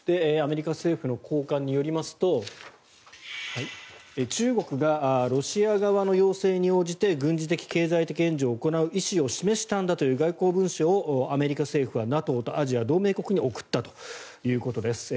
アメリカ政府高官によりますと中国がロシア側の要請に応じて軍事的・経済的援助を示したんだという外交文書をアメリカ政府はＮＡＴＯとアジアの同盟国に送ったということです。